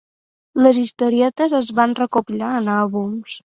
Les historietes es van recopilar en àlbums.